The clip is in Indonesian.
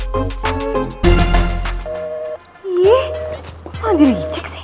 kok nggak diricek sih